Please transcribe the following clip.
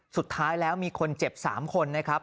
สุดท้ายแล้วมีคนเจ็บ๓คนนะครับ